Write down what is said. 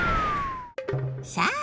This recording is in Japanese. さあ